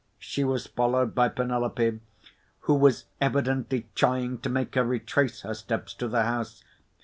She was followed by Penelope, who was evidently trying to make her retrace her steps to the house.